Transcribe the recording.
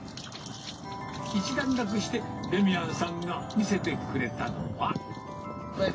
一段落して、デミアンさんが見せてくれたのは。